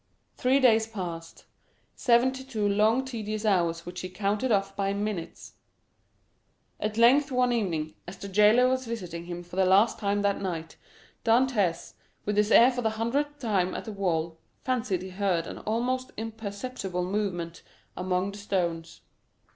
Three days passed—seventy two long tedious hours which he counted off by minutes! At length one evening, as the jailer was visiting him for the last time that night, Dantès, with his ear for the hundredth time at the wall, fancied he heard an almost imperceptible movement among the stones.